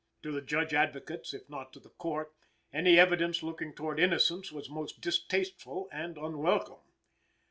To the Judge Advocates, if not to the Court, any evidence looking towards innocence was most distasteful and unwelcome.